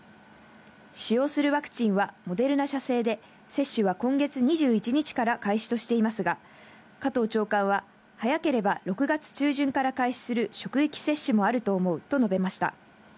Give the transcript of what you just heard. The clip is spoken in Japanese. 使用するワクチンはモデルナ社製で接種は今月２１日から開始としていますが、加藤長官は早ければ６月中旬から開始する職域接種もあると思うと述べていました。